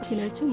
thì nói chung